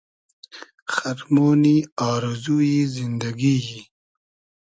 خئرمۉنی آرزو یی زیندئگی یی